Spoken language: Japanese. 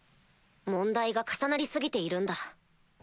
問題が重なり過ぎているんだ。